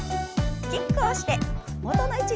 キックをして元の位置に戻ります。